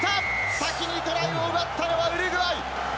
先にトライを奪ったのはウルグアイ！